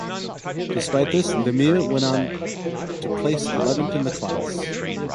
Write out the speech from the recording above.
Despite this, Lemieux went on to place eleventh in the class.